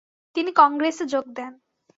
তিনি কংগ্রেসে যোগ দেন।